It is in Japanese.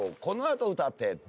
このあと歌って。